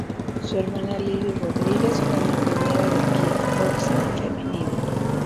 Su hermana Lilly Rodríguez fue una pionera del kickboxing femenino.